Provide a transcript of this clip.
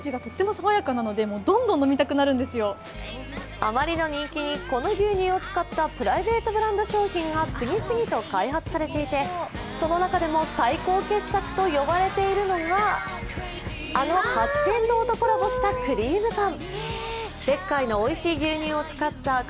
あまりの人気に、この牛乳を使ったプライベートブランド商品が次々と開発されていてその中でも最高傑作と呼ばれているのがあの、八天堂とコラボしたクリームパン。